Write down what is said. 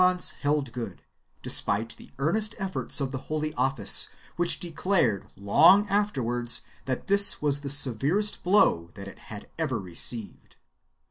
1 The Catalans held good, despite the earnest efforts of the Holy Office, which declared long afterwards that this was the severest blow that it had ever received.